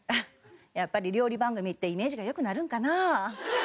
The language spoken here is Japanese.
やっぱり料理番組ってイメージが良くなるんかな。